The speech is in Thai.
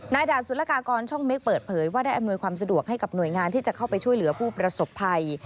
ด่านสุรกากรช่องเมคเปิดเผยว่าได้อำนวยความสะดวกให้กับหน่วยงานที่จะเข้าไปช่วยเหลือผู้ประสบภัย